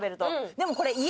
でもこれ。